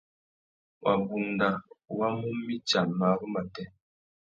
Wabunda wa mú mitsa marru matê.